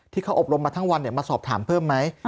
อบรมมาทั้งวันมาสอบถามเพิ่มไหม